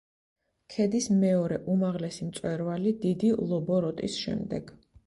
ქედის მეორე უმაღლესი მწვერვალი დიდი ლობოროტის შემდეგ.